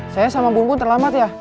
saya sama bun bun terlambat ya